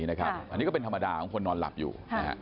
อันนี้ก็เป็นธรรมดาของคนนอนหลับอยู่